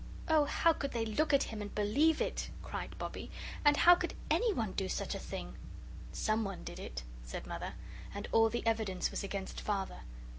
"Oh, how could they look at him and believe it!" cried Bobbie; "and how could ANY one do such a thing!" "SOMEONE did it," said Mother, "and all the evidence was against Father.